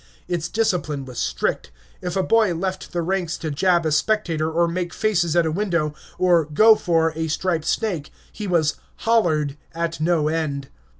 Its discipline was strict. If a boy left the ranks to jab a spectator, or make faces at a window, or "go for" a striped snake, he was "hollered" at no end.